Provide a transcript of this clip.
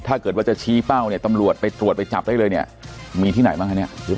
ถ้าเกิดว่าจะชี้เป้าเนี่ยตำรวจไปตรวจไปจับได้เลยเนี่ยมีที่ไหนบ้างคะเนี่ย